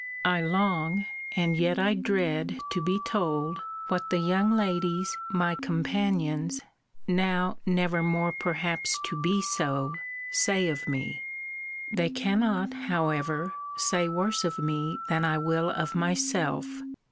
I long, and yet I dread, to be told, what the young ladies my companions, now never more perhaps to be so, say of me. They cannot, however, say worse of me than I will of myself.